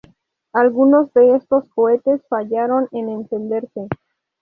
Algunos de estos cohetes fallaron en encenderse.